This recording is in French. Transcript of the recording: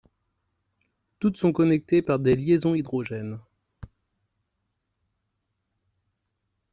Toutes sont connectées par des liaisons hydrogène.